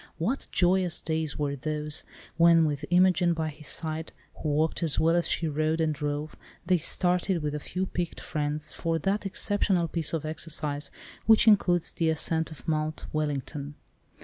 What joyous days were those, when with Imogen by his side, who walked as well as she rode and drove, they started with a few picked friends for that exceptional piece of exercise, which includes the ascent of Mount Wellington.